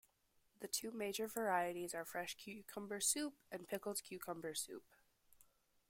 The two major varieties are fresh cucumber soup and pickled cucumber soup.